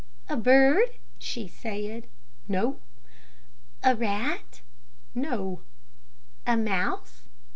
"A bird," she said, "No." "A rat." "No." "A mouse."